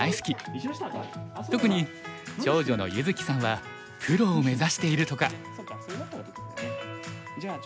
特に長女の優月さんはプロを目指しているとか。